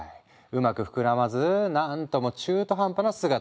うまく膨らまず何とも中途半端な姿に。